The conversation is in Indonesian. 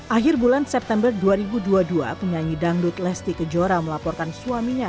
akhir bulan september dua ribu dua puluh dua penyanyi dangdut lesti kejora melaporkan suaminya